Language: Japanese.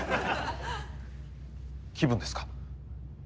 気分ですか？